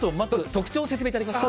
特徴を説明いただけますか。